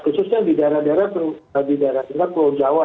khususnya di daerah daerah perusahaan